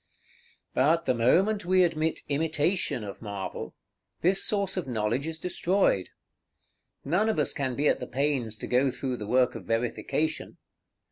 § XLIII. But the moment we admit imitation of marble, this source of knowledge is destroyed. None of us can be at the pains to go through the work of verification.